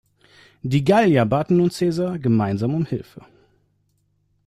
Die Gallier baten nun Caesar gemeinsam um Hilfe.